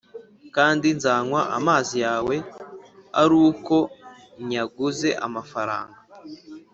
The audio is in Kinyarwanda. kandi nzanywa amazi yawe ari uko nyaguze amafaranga.